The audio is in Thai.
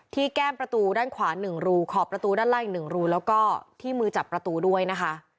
แก้มประตูด้านขวา๑รูขอบประตูด้านล่างอีก๑รูแล้วก็ที่มือจับประตูด้วยนะคะ